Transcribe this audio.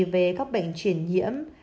về các bệnh truyền nhiễm